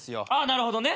なるほどね。